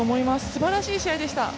すばらしい試合でした。